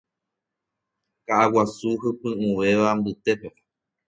Ka'a guasu hypy'ũvéva mbytépe